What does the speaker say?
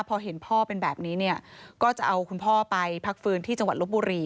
พอเห็นพ่อเป็นแบบนี้เนี่ยก็จะเอาคุณพ่อไปพักฟื้นที่จังหวัดลบบุรี